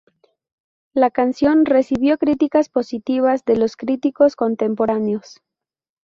La canción recibió críticas positivas de los críticos contemporáneos.